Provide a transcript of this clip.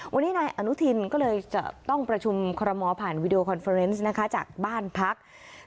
วันนี้นายอนุทินก็เลยจะต้องประชุมคอรมอลผ่านวีดีโอคอนเฟอร์เนสนะคะจากบ้านพัก